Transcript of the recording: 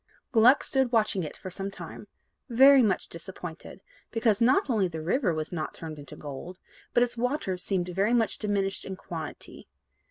Gluck stood watching it for some time, very much disappointed, because not only the river was not turned into gold, but its waters seemed much diminished in quantity.